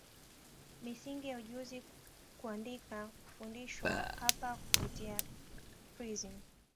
Misingi ya ujuzi kuandika kufundishwa hapa kupitia prism